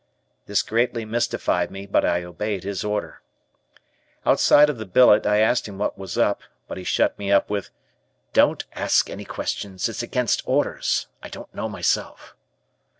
This greatly mystified me but I obeyed his order. Outside of the billet, I asked him what was up, but he shut me up with: "Don't ask any questions, it's against orders. I don't know myself."